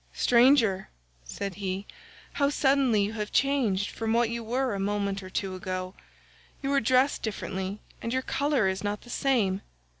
"Stranger," said he, "how suddenly you have changed from what you were a moment or two ago. You are dressed differently and your colour is not the same.